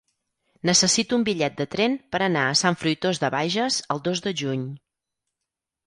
Necessito un bitllet de tren per anar a Sant Fruitós de Bages el dos de juny.